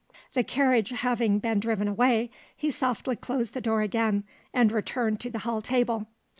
The carriage having been driven away, he softly closed the door again, and returned to the hall table.